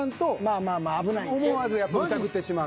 思わず疑ってしまう。